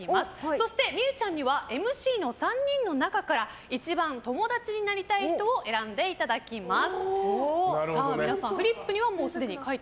そして、望結ちゃんにはＭＣの３人の中から一番友達になりたい人を選んでいただきます。